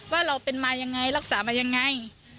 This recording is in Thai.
ว่าเราเป็นมายังไงรักษามายังไง